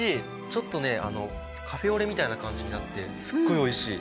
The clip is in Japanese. ちょっとねカフェオレみたいな感じになってすっごいおいしい。